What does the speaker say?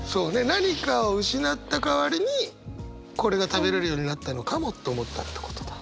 何かを失った代わりにこれが食べれるようになったのかもって思ったってことだ？